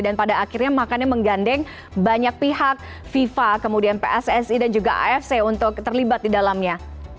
dan pada akhirnya makanya menggandeng banyak pihak fifa kemudian pssi dan juga afc untuk terlibat di dalamnya